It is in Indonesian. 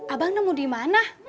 abang nemu dimana